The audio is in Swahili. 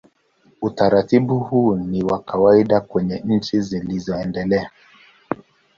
Utaratibu huu ni wa kawaida kwenye nchi zilizoendelea.